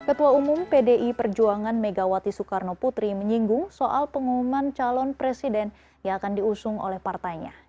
ketua umum pdi perjuangan megawati soekarno putri menyinggung soal pengumuman calon presiden yang akan diusung oleh partainya